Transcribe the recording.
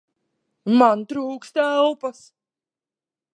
Man trūkst elpas!